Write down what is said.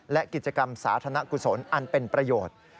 และกิจกรรมสาธารณกุศลอันเป็นประโยชน์